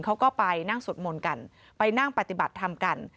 เขาก็ไปนั่งสวดมนต์กันไปนั่งปฏิบัติธรรมกัน